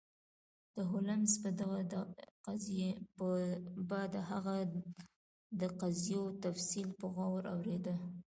هولمز به د هغه د قضیو تفصیل په غور اوریده.